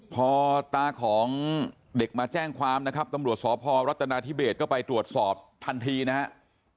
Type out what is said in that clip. พอตาของเด็กมาแจ้งความนะครับตำรวจสพรัฐนาธิเบสก็ไปตรวจสอบทันทีนะครับ